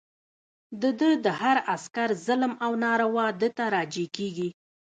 د ده د هر عسکر ظلم او ناروا ده ته راجع کېږي.